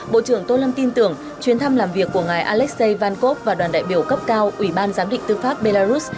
bộ trưởng tô lâm tin tưởng chuyến thăm làm việc của ngài alexei vankov và đoàn đại biểu cấp cao ủy ban giám định tư pháp belarus